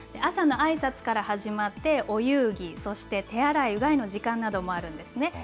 朝のあいさつから始まって、お遊戯、そして手洗い、うがいの時間などもあるんですね。